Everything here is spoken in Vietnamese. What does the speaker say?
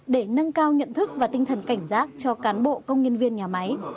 để nâng cao nhận thức và tinh thần cảnh giác cho cán bộ công nhân viên nhà máy